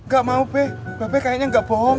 gak mau bek bapak kayaknya gak bohong